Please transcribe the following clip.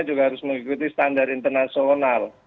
juga harus mengikuti standar internasional